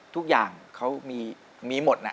ทุกอย่างเขามีหมดนะ